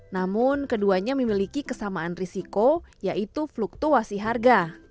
namun keduanya memiliki kesamaan risiko yaitu fluktuasi harga